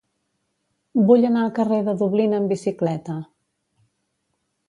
Vull anar al carrer de Dublín amb bicicleta.